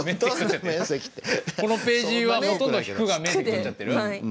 このページはほとんど「引く」が面積とっちゃってる？